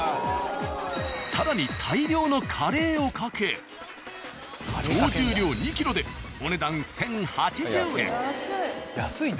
更に大量のカレーをかけ総重量２ｋｇでお値段安い。